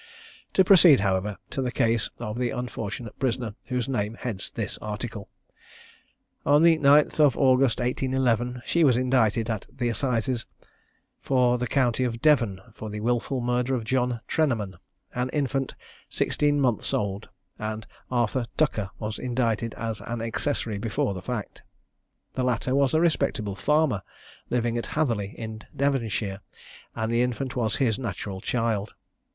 To proceed, however, to the case of the unfortunate prisoner whose name heads this article. On the 9th of August, 1811, she was indicted at the Assizes for the county of Devon, for the wilful murder of John Trenaman, an infant sixteen months old; and Arthur Tucker was indicted as an accessory before the fact. The latter was a respectable farmer, living at Hatherleigh, in Devonshire; and the infant was his natural child.